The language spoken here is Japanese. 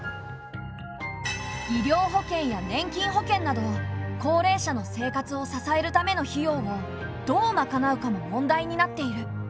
医療保険や年金保険など高齢者の生活を支えるための費用をどうまかなうかも問題になっている。